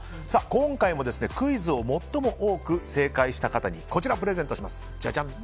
今回もクイズを最も多く正解した方にこちらをプレゼントします。